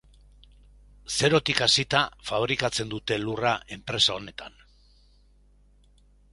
Zerotik hasita fabrikatzen dute lurra enpresa honetan.